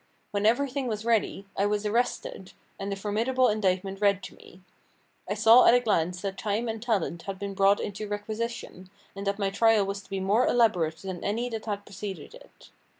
When everything was ready, I was arrested, and the formidable indictment read to me. I saw at a glance that time and talent had been brought into requisition, and that my trial was to be more elaborate than any that had preceded it.